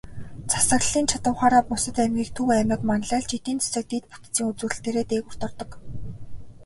Засаглалын чадавхаараа бусад аймгийг Төв аймаг манлайлж, эдийн засаг, дэд бүтцийн үзүүлэлтээрээ дээгүүрт ордог.